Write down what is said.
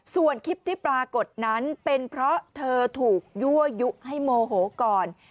ส่วนคลิปที่ปรากฏนั้นเป็นเพราะเธอถูกยั่วยุให้โมโหก่อน